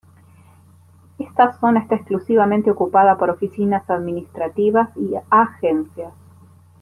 Esta zona está exclusivamente ocupada por oficinas administrativas y agencias.